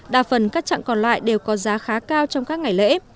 đa phần các trạng còn lại đều có giá khá cao trong các ngày lễ